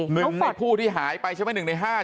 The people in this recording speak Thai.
๑ในผู้ที่หายไปใช่ไหม๑ใน๕ใช่ไหม